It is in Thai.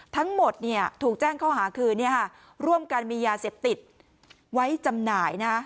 ทั้งหมดเนี่ยถูกแจ้งข้าวหาคืนเนี่ยฮะร่วมการมียาเสพติดไว้จำหน่ายนะฮะ